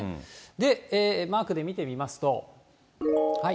で、マークで見てみますと。